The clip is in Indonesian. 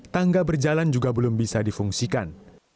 tangga berjalan juga belum bisa difungsikan